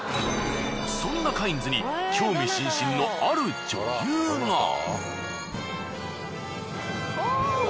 そんなカインズに興味津々のある女優が。